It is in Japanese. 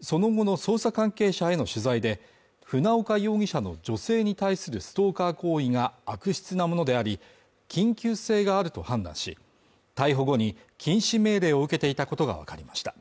その後の捜査関係者への取材で船岡容疑者の女性に対するストーカー行為が悪質なものであり、緊急性があると判断し、逮捕後に禁止命令を受けていたことがわかりました。